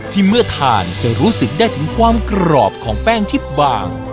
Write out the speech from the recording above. เมื่อทานจะรู้สึกได้ถึงความกรอบของแป้งที่บาง